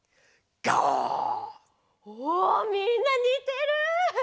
おみんなにてる！